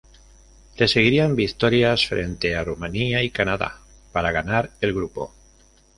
Le seguirían victorias frente a Rumania y Canadá para ganar el grupo.